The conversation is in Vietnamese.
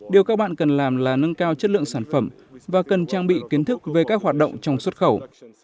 điều các bạn cần làm là nâng cao chất lượng sản phẩm và cần trang bị kiến thức về các hoạt động trong xuất khẩu